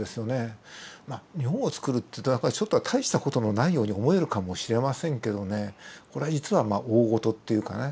まあ尿をつくるっていうとちょっと大した事のないように思えるかもしれませんけどねこれ実は大ごとっていうかね。